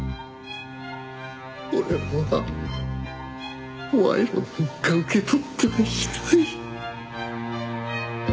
俺は賄賂なんか受け取ってはいない！